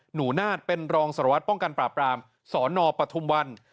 หนูนาฏเป็นรองสารวัตรป้องกันปราบรามสนปฐุมวัน